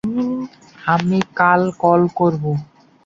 আমি কাল কল করবো।